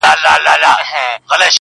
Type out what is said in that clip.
او پوښتني نه ختمېږي هېڅکله,